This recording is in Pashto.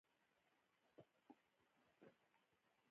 کپتانان د ټاس پرېکړه کوي، چي بيټینګ کوي؛ که بالینګ.